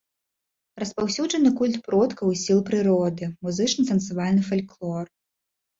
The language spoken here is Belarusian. Распаўсюджаны культ продкаў і сіл прыроды, музычна-танцавальны фальклор.